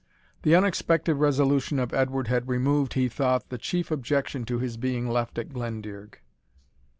The unexpected resolution of Edward had removed, he thought, the chief objection to his being left at Glendearg.